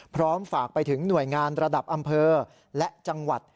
พร้อมฝากไปถึงหน่วยงานระดับอำเภอและจังหวัด